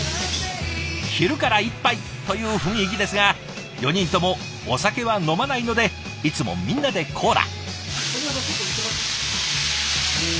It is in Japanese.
昼から一杯という雰囲気ですが４人ともお酒は飲まないのでいつもみんなでコーラ。